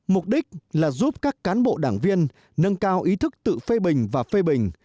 mục đích là giúp các cán bộ đảng viên nâng cao ý thức tự phê bình và phê bình